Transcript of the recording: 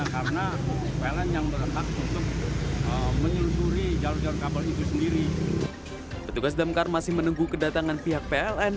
ketugas damkar masih menunggu kedatangan pihak pr